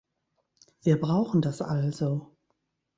Wir brauchen das also.